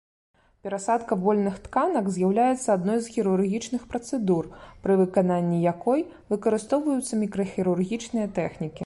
Перасадка вольных тканак з'яўляецца адной з хірургічных працэдур, пры выкананні якой выкарыстоўваюцца мікрахірургічныя тэхнікі.